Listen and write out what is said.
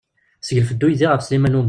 Yesseglef-d uydi ɣef Sliman U Muḥ.